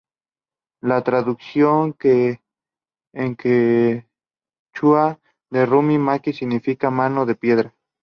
La traducción en quechua de "Rumi Maki" significa "Mano de Piedra".